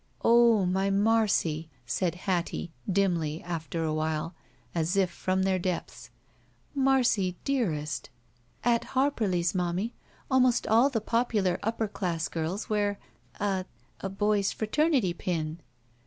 "Oh — my Marcy!" said Hattie, dimly, after a while, as if from liieir depths. "Marcy, dearest!" "At — at Harperly's, momie, almost all the popular upper class girls wear — a — a boy's fraternity pin."